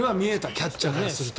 キャッチャーからすると。